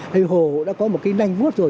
hay hồ đã có một cái đành vuốt rồi